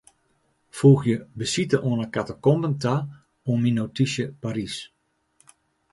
Foegje besite oan 'e katakomben ta oan myn notysje Parys.